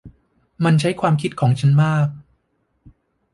มันใช้ความคิดของฉันมาก